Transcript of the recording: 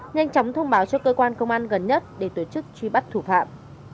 nhanh chóng thông báo cho cơ quan công an gần nhất để tổ chức truy bắt thủ phạm